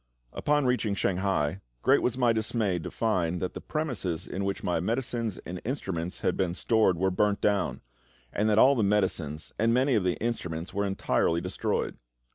Upon reaching Shanghai, great was my dismay to find that the premises in which my medicines and instruments had been stored were burnt down, and that all the medicines and many of the instruments were entirely destroyed.